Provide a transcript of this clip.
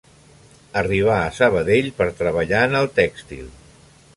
Arribà a Sabadell per treballar en el tèxtil.